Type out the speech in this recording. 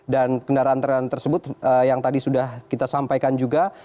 dan kendaraan kendaraan tersebut yang tadi sudah kita sampaikan juga